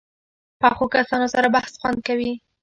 پخو کسانو سره بحث خوند کوي